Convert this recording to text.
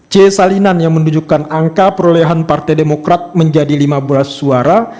c salinan yang menunjukkan angka perolehan partai demokrat menjadi lima belas suara